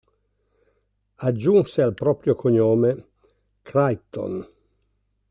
Aggiunse al proprio cognome "Crichton".